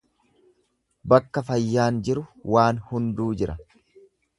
Bakka fayyaan jiru waan hunduu jira.